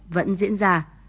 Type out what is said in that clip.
vẫn diễn ra